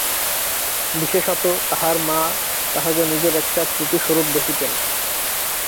বিশেষত, তাহার মা তাহাকে নিজের একটা ত্রুটিস্বরূপ দেখিতেন।